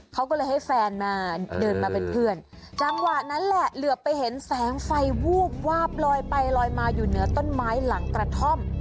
เขาก็เลยให้แฟนมาเดินมาเป็นเพื่อนจังหวะนั้นแหละเหลือไปเห็นแสงไฟวูบวาบลอยไปลอยมาอยู่เหนือต้นไม้หลังกระท่อม